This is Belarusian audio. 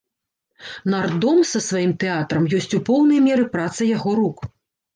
Нардом са сваім тэатрам ёсць у поўнай меры праца яго рук.